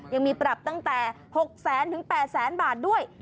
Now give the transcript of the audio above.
ยังมีประหลับตั้งแต่๖๐๐๐๐๐ถึง๘๐๐๐๐๐บาทด้วย